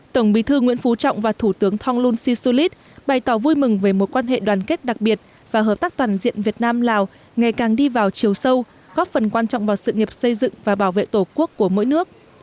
tổng bí thư nguyễn phú trọng và thủ tướng thonglun sisulit bày tỏ vui mừng về mối quan hệ đoàn kết đặc biệt và hợp tác toàn diện việt nam lào ngày càng đi vào chiều sâu góp phần quan trọng vào sự nghiệp xây dựng và bảo vệ tổ quốc của mỗi nước